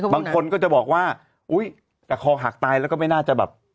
บางคนก็จะบอกว่าอุ๊ยแต่คอหักตายแล้วก็ไม่น่าจะแบบ